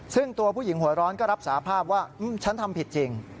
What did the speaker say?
ซึ่งตัวผู้หญิงหัวร้อนก็รับสาภาพว่าฉันทำผิดจริง